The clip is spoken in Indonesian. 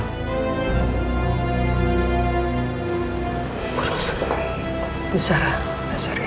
waalaikumsalam warahmatullahi wabarakatuh